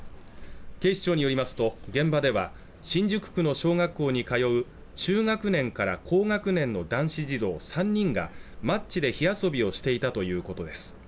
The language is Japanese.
警視庁によりますと現場では新宿区の小学校に通う中学年から高学年の男子児童３人がマッチで火遊びをしていたということです